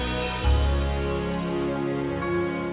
tidak masalah ini dia anakku